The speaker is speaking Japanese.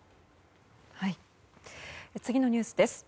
次のニュースです。